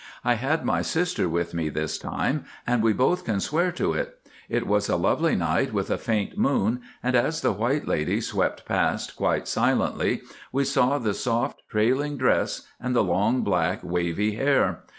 I had my sister with me this time, and we both can swear to it. It was a lovely night with a faint moon, and as the white lady swept past quite silently we saw the soft trailing dress and the long, black wavy hair.